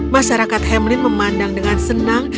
masyarakat hemlin memandang dengan senang